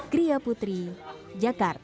kriya putri jakarta